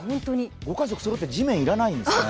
ご家族そろって、地面要らないんですね。